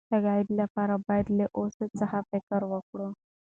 تقاعد لپاره باید له اوس څخه فکر وکړو.